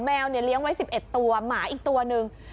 วเนี่ยเลี้ยงไว้๑๑ตัวหมาอีกตัวหนึ่ง